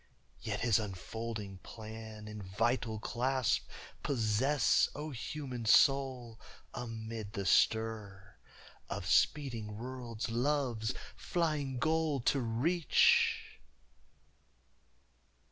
Yet His unfolding plan in vital clasp Possess, O human soul, amid the stir Of speeding worlds Love's flying goal to reach!